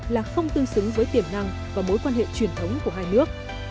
là không tương xứng với tiềm năng và mối quan hệ truyền thống của hai nước